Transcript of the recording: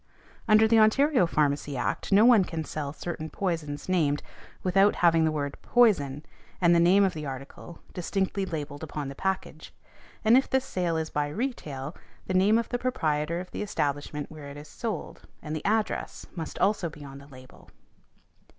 Under the Ontario Pharmacy Act no one can sell certain poisons named without having the word "Poison," and the name of the article, distinctly labelled upon the package; and if the sale is by retail, the name of the proprietor of the establishment where it is sold, and the address must also be on the label .